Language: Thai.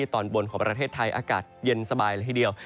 หลายพื้นที่ตอนบนของประเทศไทยอากาศเย็นสบายละทีเดียว